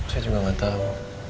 saya juga nggak tahu